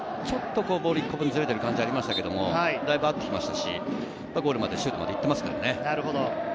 ちょっとボール１個分ずれている感じもありましたけど、だいぶ合ってきましたし、ゴールまでシュートまで行ってますからね。